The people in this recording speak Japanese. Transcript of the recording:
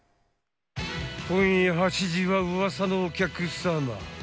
今夜８時は「ウワサのお客さま」。